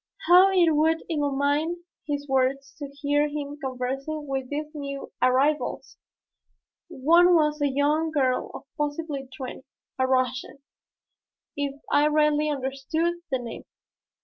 How it would illumine his words to hear him conversing with these new arrivals! One was a young girl of possibly twenty a Russian if I rightly understood the name.